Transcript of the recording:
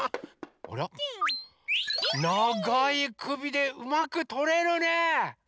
あらながいくびでうまくとれるね。